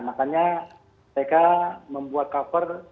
makanya mereka membuat cover